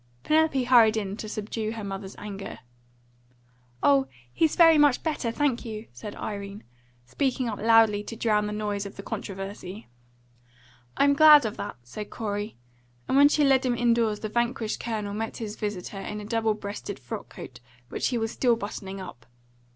Penelope hurried in to subdue her mother's anger. "Oh, he's very much better, thank you!" said Irene, speaking up loudly to drown the noise of the controversy. "I'm glad of that," said Corey, and when she led him indoors the vanquished Colonel met his visitor in a double breasted frock coat, which he was still buttoning up.